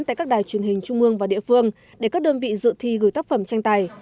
tại các đài truyền hình trung mương và địa phương để các đơn vị dự thi gửi tác phẩm tranh tài